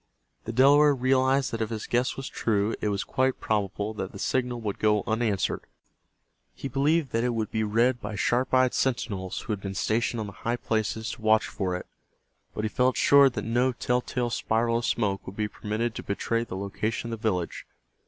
The Delaware realized that if his guess was true it was quite probable that the signal would go unanswered. He believed that it would be read by sharp eyed sentinels who had been stationed on the high places to watch for it, but he felt sure that no tell tale spiral of smoke would be permitted to betray the location of the village.